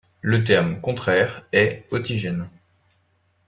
Le terme contraire est authigène.